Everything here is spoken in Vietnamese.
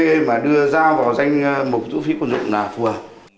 để mà đưa giao vào danh một vũ khí quần dụng là vừa